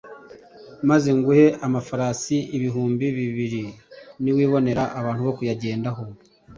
maze nzaguhe amafarasi ibihumbi bibiri niwibonera abantu bo kuyagenderaho!